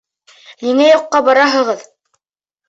Ниңә юҡҡа бораһығыҙ?